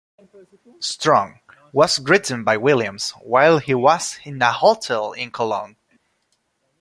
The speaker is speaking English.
"Strong" was written by Williams while he was in a hotel in Cologne.